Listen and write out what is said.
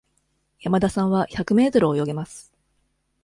山田さんは百メートル泳げます。